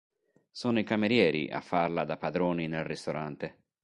Sono i camerieri a farla da padroni nel ristorante.